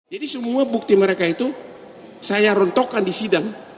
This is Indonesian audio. jadi semua bukti mereka itu saya rontokkan di sidang